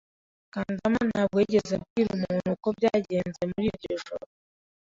Kandama ntabwo yigeze abwira umuntu uko byagenze muri iryo joro.